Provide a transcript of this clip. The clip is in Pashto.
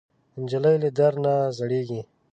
نجلۍ له درد نه زړېږي.